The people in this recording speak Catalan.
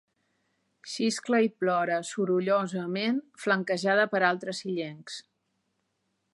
Xiscla i plora sorollosament, flanquejada per altres illencs.